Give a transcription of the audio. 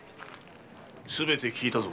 すべて聞いたぞ。